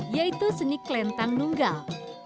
yaitu seni kelentang nunggal